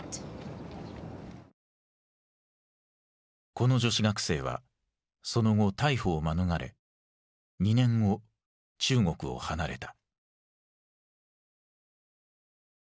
この女子学生はその後逮捕を免れ２年後中国を離れた。